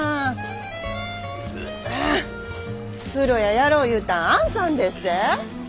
風呂屋やろう言うたんあんさんでっせ。